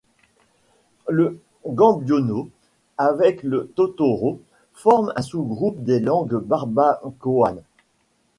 Le guambiano, avec le totoró, forme un sous-groupe des langues barbacoanes.